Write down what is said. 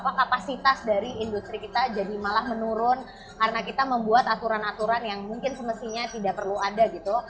karena kapasitas dari industri kita jadi malah menurun karena kita membuat aturan aturan yang mungkin semestinya tidak perlu ada gitu